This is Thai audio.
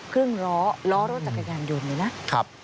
เครื่องร้อร้อรถจักรยานยุ่นดีนะ